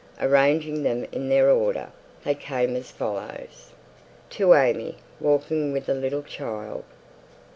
Arranging them in their order, they came as follows: "To AimÄe, Walking with a Little Child."